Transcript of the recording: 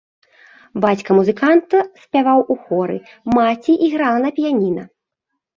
Бацька музыканта спяваў у хоры, маці іграла на піяніна.